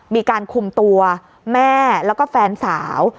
มีการคุมตัวแม่แล้วก็แฟนสาว